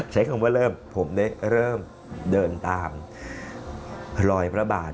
ใช้คำว่าเริ่มผมได้เริ่มเดินตามพลอยพระบาท